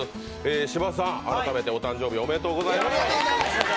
芝さん、改めてお誕生日おめでとうございました。